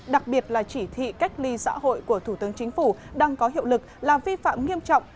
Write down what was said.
đặc biệt là chỉ thị cách ly xã hội của thủ tướng chính phủ đang có hiệu lực làm vi phạm nghiêm trọng